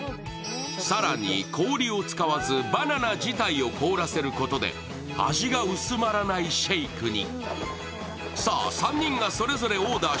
更に氷を使わずバナナ自体を凍らせることで味が薄まらないシェイクに。